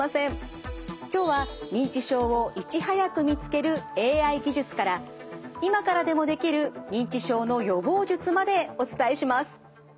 今日は認知症をいち早く見つけるＡＩ技術から今からでもできる認知症の予防術までお伝えします。